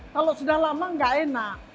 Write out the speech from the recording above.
kalau sudah lama nggak enak